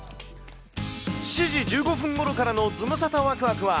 ７時１５分ごろからのズムサタわくわくは、